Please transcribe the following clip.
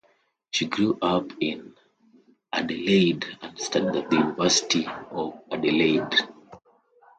She grew up in Adelaide and studied at the University of Adelaide.